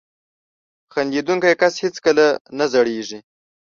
• خندېدونکی کس هیڅکله نه زړېږي.